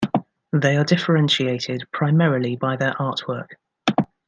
They are differentiated primarily by their artwork.